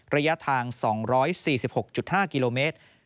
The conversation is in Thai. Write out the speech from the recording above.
ระยะทาง๒๔๖๕กิโลเมตร